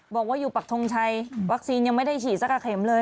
บอกว่าอยู่ปักทงชัยวัคซีนยังไม่ได้ฉีดสักกับเข็มเลย